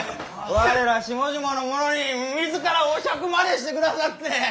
我ら下々の者にみずからお酌までしてくださって！